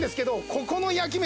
ここの焼き目